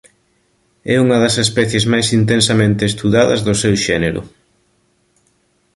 É unha das especies máis intensamente estudadas do seu xénero.